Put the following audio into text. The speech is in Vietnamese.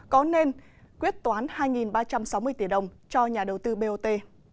có nên quyết toán hai ba trăm sáu mươi tỷ đồng cho nhà đầu tư bot